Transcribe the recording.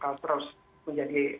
akan terus menjadi